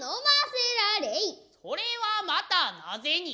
それはまたなぜに。